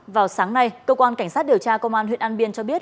vào sáng nay cơ quan cảnh sát điều tra công an huyện an biên cho biết